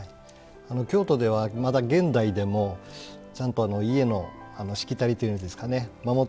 京都ではまだ現代でもちゃんと家のしきたりというんですかね守っ